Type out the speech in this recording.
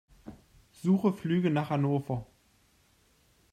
Suche Flüge nach Hannover.